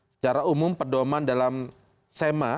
secara umum pedoman dalam sema